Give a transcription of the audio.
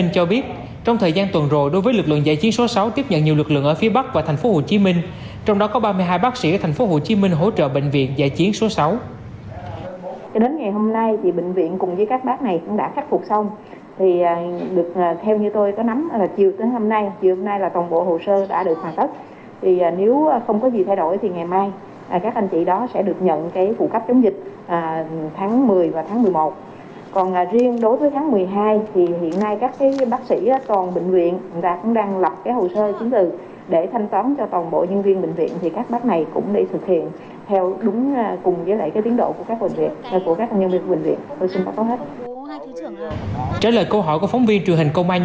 thì trong thời gian tới thì cũng rất mong cái sự phối hợp của các cái chú ông báo đài